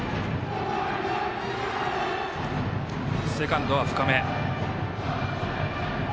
セカンドは深め。